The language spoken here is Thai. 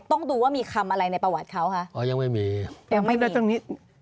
ต้องดูว่ามีคำอะไรในประวัติเขาคะอ๋อยังไม่มียังไม่ได้ตรงนี้